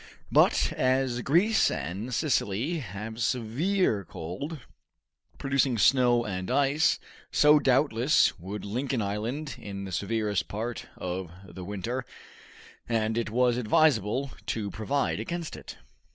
But as Greece and Sicily have severe cold, producing snow and ice, so doubtless would Lincoln Island in the severest part of the winter and it was advisable to provide against it.